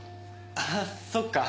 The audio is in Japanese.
ああそっか。